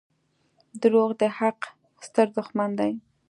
• دروغ د حق ستر دښمن دي.